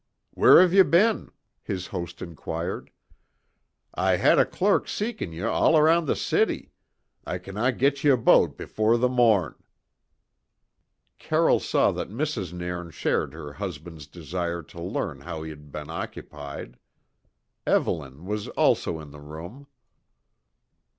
"Where have ye been?" his host inquired. "I had a clerk seeking ye all round the city. I cannot get ye a boat before the morn." Carroll saw that Mrs. Nairn shared her husband's desire to learn how he had been occupied. Evelyn was also in the room.